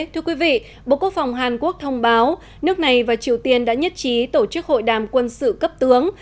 thưa quý vị bộ quốc phòng hàn quốc thông báo nước này và triều tiên đã nhất trí tổ chức hội đàm quân sự cấp tướng